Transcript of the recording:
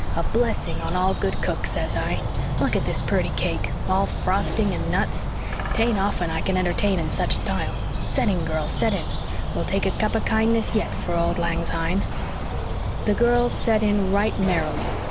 A blessing on all good cooks, says I. Look at this purty cake, all frosting and nuts. 'Tain't often I can entertain in such style. Set in, girls, set in! We'll 'tak a cup o' kindness yet for auld lang syne.'" The girls "set in" right merrily.